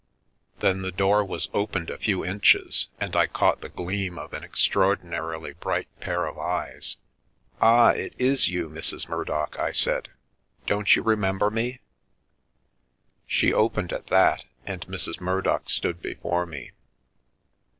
Then the door was opened a few inches, and I caught the gleam of an extraordinarily bright pair of eyes. " Ah, it is you, Mrs. Murdock !" I said. " Don't you re member me?" She opened at that, and Mrs. Murdock stood before me.